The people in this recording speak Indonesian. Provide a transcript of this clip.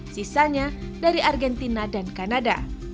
sisanya dari argentina dan kanada